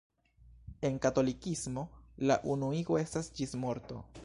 En katolikismo, la unuigo estas ĝis morto.